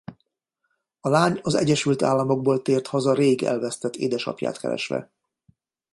A lány az Egyesült Államokból tért haza rég elvesztett édesapját keresve.